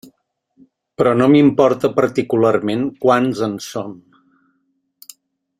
Però no m'importa particularment quants en som.